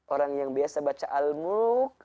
orang yang biasa baca al mulu